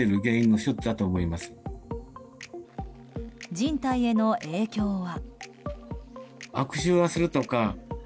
人体への影響は？